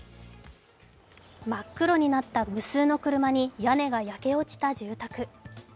真っ黒になった無数の車に屋根が焼け落ちた住宅。